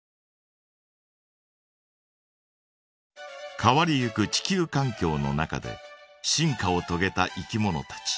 変わりゆく地球かん境の中で進化をとげたいきものたち。